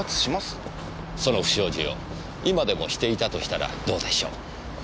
その不祥事を今でもしていたとしたらどうでしょう。